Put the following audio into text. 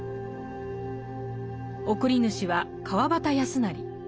送り主は川端康成。